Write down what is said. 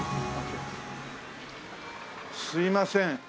すいません。